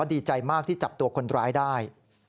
ดีใจมากที่จับตัวคนร้ายได้